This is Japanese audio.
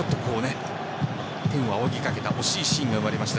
天を仰ぎかけた惜しいシーンがありました。